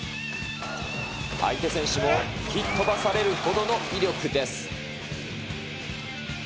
相手選手も吹き飛ばされるほどの威力です。